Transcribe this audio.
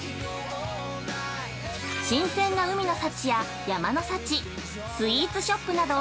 新鮮な海の幸や山の幸スイーツショップなど